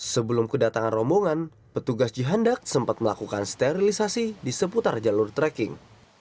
sebelum kedatangan rombongan petugas jihandak sempat melakukan sterilisasi di seputar jalur trekking